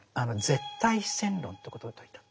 絶対非戦論ってことを説いた。